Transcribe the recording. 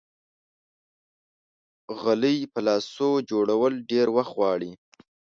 غلۍ په لاسو جوړول ډېر وخت غواړي.